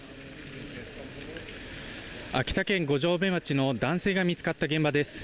秋田県五城目町の男性が見つかった現場です。